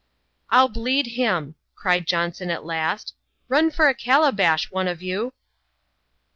" ril bleed bim !* cried Jobnson at last — "run for a calabash^ one of you!